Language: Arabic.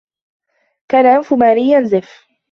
كان أنف ماري ينزف.